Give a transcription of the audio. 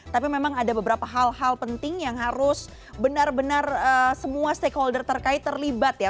tapi memang ada beberapa hal hal penting yang harus benar benar semua stakeholder terkait terlibat ya